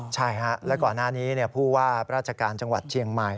ใช่ฮะแล้วก่อนหน้านี้ผู้ว่าราชการจังหวัดเชียงใหม่